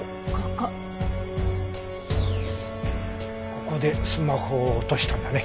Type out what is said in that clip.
ここでスマホを落としたんだね。